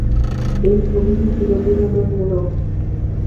এই ছবিটি ছিল বিনোদনমূলক।